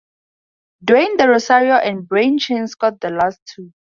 Dwayne De Rosario and Brian Ching scored the last two.